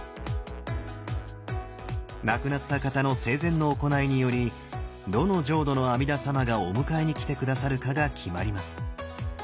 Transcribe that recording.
亡くなった方の生前の行いによりどの浄土の阿弥陀様がお迎えに来て下さるかが決まります。